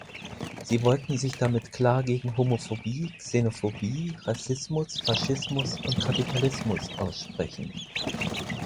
Sie wollten sich damit klar gegen Homophobie, Xenophobie, Rassismus, Faschismus und Kapitalismus aussprechen.